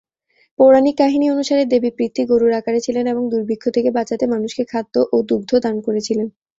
পৌরাণিক কাহিনী অনুসারে, দেবী পৃথ্বী গরুর আকারে ছিলেন, এবং দুর্ভিক্ষ থেকে বাঁচাতে মানুষকে খাদ্য ও দুগ্ধ দান করেছিলেন।